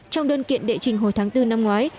trong đơn kiện đệ trình hồi tháng bốn năm ngoái